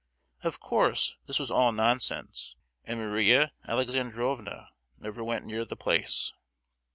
Of course this was all nonsense, and Maria Alexandrovna never went near the place!